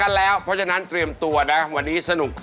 มันไม่ใช่รถมหาสนุก